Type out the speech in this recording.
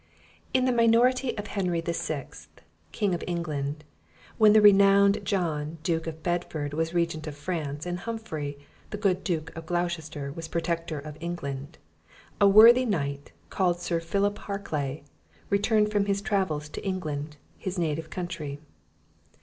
In the minority of Henry the Sixth, King of England, when the renowned John, Duke of Bedford was Regent of France, and Humphrey, the good Duke of Gloucester, was Protector of England, a worthy knight, called Sir Philip Harclay, returned from his travels to England, his native country.